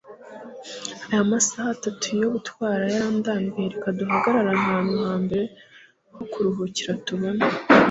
Aya masaha atatu yo gutwara yarandambiye Reka duhagarare ahantu ha mbere ho kuruhukira tubona